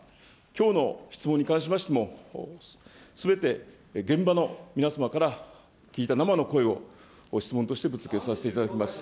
きょうの質問に関しましても、すべて現場の皆様から聞いた生の声を、質問としてぶつけさせていただきます。